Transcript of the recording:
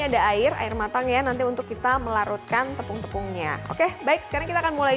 ada air air matang ya nanti untuk kita melarutkan tepung tepungnya oke baik sekarang kita akan mulai